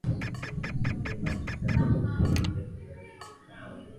Milima tisa kati ya kumi mirefu zaidi Tanzania